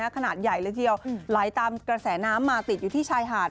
ขนาดใหญ่เลยทีเดียวไหลตามกระแสน้ำมาติดอยู่ที่ชายหาด